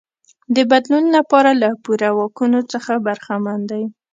د بدلون لپاره له پوره واکونو څخه برخمن دی.